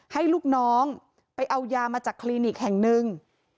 ให้ลูกน้องไปเอายามาจากคลินิกแห่งหนึ่ง